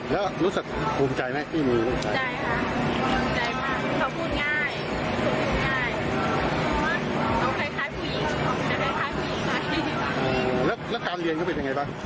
แล้วรู้สึกภูมิใจไหมอีมีรู้สึกไหมใช่ค่ะภูมิใจมากเขาพูดง่ายพูดง่ายว่าเขาคล้ายผู้หญิงแต่คล้ายผู้หญิงไม่อีกแล้วการเรียนก็เป็นยังไงบ้างก็ดีค่ะ